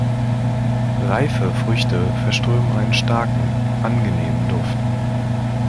Reife Früchte verströmen einen starken, angenehmen Duft.